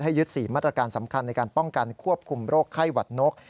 ยึด๔มาตรการสำคัญในการป้องกันควบคุมโรคไข้หวัดนก